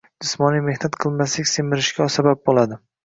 Jismoniy mehnat qilmaslik semirishga sabab bo‘ladi